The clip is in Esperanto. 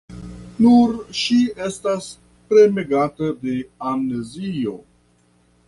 Nur ŝi estas premegata de amnezio.